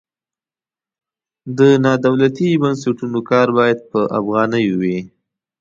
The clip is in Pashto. د نادولتي بنسټونو کار باید په افغانیو وي.